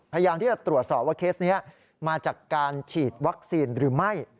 พยายามที่จะตรวจสอบว่าเคสนี้มาจากการฉีดวัคซีนหรือไม่